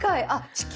地球。